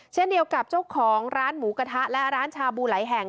เช่นเดียวกับเจ้าของร้านหมูกระทะและร้านชาบูหลายแห่ง